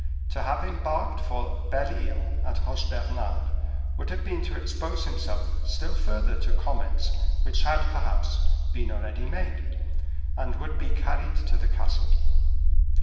To have embarked for Belle Isle at Roche Bernard, would have been to expose himself still further to comments which had, perhaps, been already made, and would be carried to the castle.